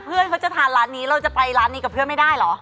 เพื่อนเขาจะทานร้านนี้เราจะไปร้านนี้กับเพื่อนไม่ได้เหรอ